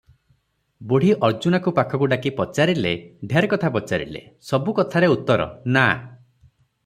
ବୁଢୀ ଅର୍ଜୁନାକୁ ପାଖକୁ ଡାକି ପଚାରିଲେ - ଢେର କଥା ପଚାରିଲେ, ସବୁ କଥାରେ ଉତ୍ତର - "ନା" ।